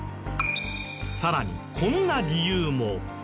さらにこんな理由も。